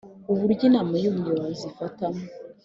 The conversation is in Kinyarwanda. Uburyo Inama y Ubuyobozi ifatamo